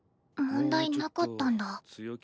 問題なかったんだ。